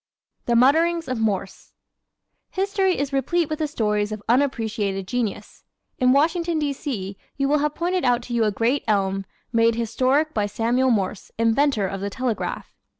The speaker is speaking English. The Mutterings of Morse ¶ History is replete with the stories of unappreciated genius. In Washington, D. C., you will have pointed out to you a great elm, made historic by Samuel Morse, inventor of the telegraph.